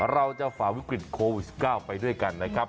ฝ่าวิกฤตโควิด๑๙ไปด้วยกันนะครับ